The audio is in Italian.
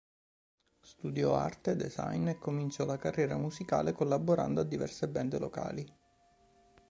Studiò arte e design è cominciò la carriera musicale collaborando a diverse band locali.